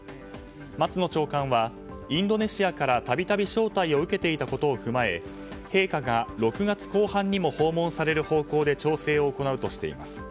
松野長官はインドネシアからたびたび招待を受けていたことを踏まえ陛下が６月後半にも訪問される方向で調整を行うとしています。